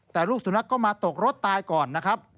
แต่ลูกสุนัขก็มาตกรถตายก่อนนะครับ